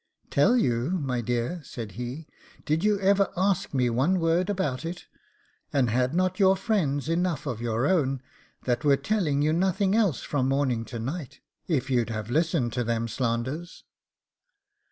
'Tell you, my dear!' said he. 'Did you ever ask me one word about it. And had not your friends enough of your own, that were telling you nothing else from morning to night, if you'd have listened to them slanders?